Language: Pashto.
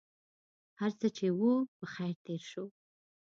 هرڅه چې و په خیر تېر شو.